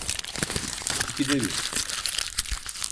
İkide bir.